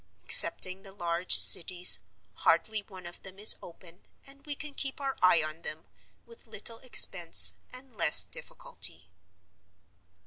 Excepting the large cities, hardly one of them is open, and we can keep our eye on them, with little expense and less difficulty.